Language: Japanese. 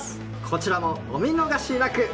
こちらもお見逃しなく。